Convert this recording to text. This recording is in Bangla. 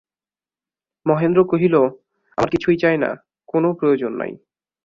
মহেন্দ্র কহিল, আমার কিছুই চাই না–কোনো প্রয়োজন নাই।